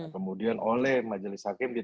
kemudian oleh majelis hakim